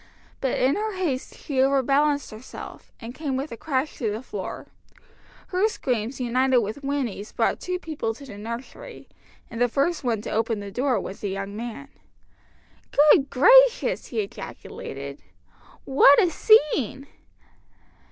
But in her haste she overbalanced herself, and came with a crash to the floor. Her screams united with Winnie's brought two people to the nursery, and the first one to open the door was a young man. "Good gracious!" he ejaculated, "what a scene!" [Illustration: "GOOD GRACIOUS!" HE EJACULATED, "WHAT A SCENE."